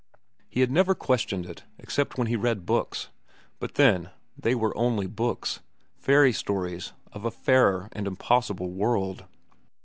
He had never questioned it, except when he read books; but then, they were only books, fairy stories of a fairer and impossible world.